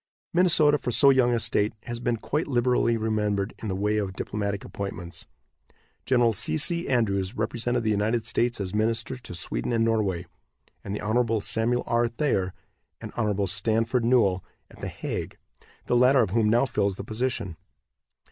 Minnesota, for so young a state, has been quite liberally remembered in the way of diplomatic appointments. Gen. C. C. Andrews represented the United States as minister to Sweden and Norway, and the Hon. Samuel R. Thayer and Hon. Stanford Newell at The Hague, the latter of whom now fills the position.